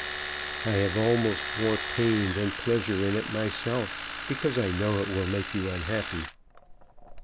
"I have almost more pain than pleasure in it myself, because I know it will make you unhappy."